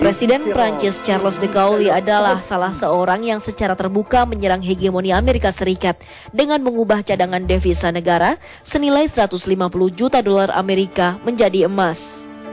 presiden perancis charles dekoli adalah salah seorang yang secara terbuka menyerang hegemoni amerika serikat dengan mengubah cadangan devisa negara senilai satu ratus lima puluh juta dolar amerika menjadi emas